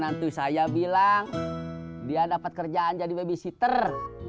nanti saya bilang dia dapat kerjaan jadi babysitter